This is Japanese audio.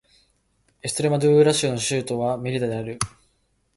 エストレマドゥーラ州の州都はメリダである